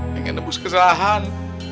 pengen nebus kesalahan